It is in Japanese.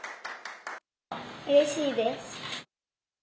うれしいです。